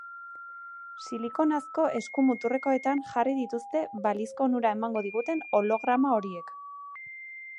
Silikonazko esku-muturrekoetan jarri dituzte balizko onura emango diguten holograma hoiek.